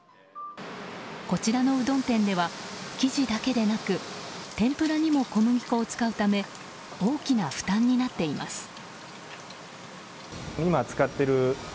こちらのうどん店では生地だけでなく天ぷらにも小麦粉を使うため大きな負担になっています。